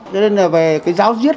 cho nên là về cái giáo diết